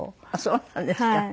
そうなんですか。